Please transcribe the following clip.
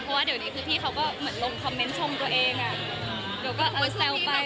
เพราะว่าเดี๋ยวนี้คือพี่เขาก็เหมือนลงคอมเมนต์ชมตัวเองอ่ะเดี๋ยวก็เออแซวไป